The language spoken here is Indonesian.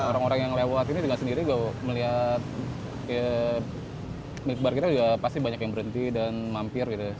orang orang yang lewat ini juga sendiri melihat milk bar kita juga pasti banyak yang berhenti dan mampir gitu